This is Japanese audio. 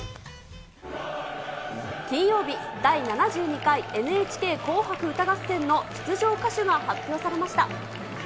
金曜日、第７２回ＮＨＫ紅白歌合戦の出場歌手が発表されました。